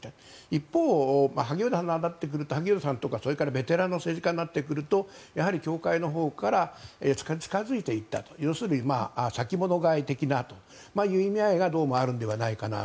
一方、萩生田さんとか、それからベテランの政治家になってくるとやはり教会のほうから近付いていったと要するに先物買い的な意味合いがどうもあるのではないかな。